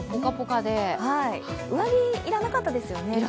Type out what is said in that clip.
上着要らなかったですね。